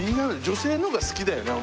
女性の方が好きだよね